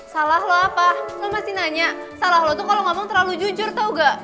salah lo apa lo masih nanya salah lo tuh kalau ngomong terlalu jujur tau gak